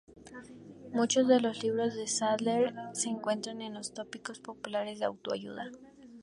Muchos de los libros de Sadler se encuentran en los tópicos populares de autoayuda.